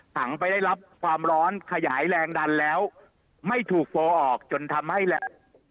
ถังไปได้รับความร้อนขยายแรงดันแล้วไม่ถูกโฟลออกจนทำให้แหละ